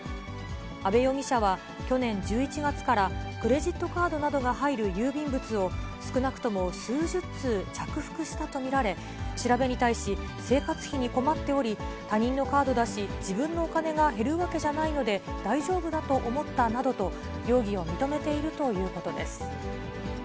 阿部容疑者は去年１１月から、クレジットカードなどが入る郵便物を、少なくとも数十通着服したと見られ、調べに対し、生活費に困っており、他人のカードだし、自分のお金が減るわけじゃないので大丈夫だと思ったなどと、容疑を認めているということです。